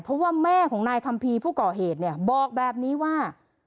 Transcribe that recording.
เพราะว่าแม่ของนายคัมภีร์ผู้ก่อเหตุเนี่ยบอกแบบนี้ว่า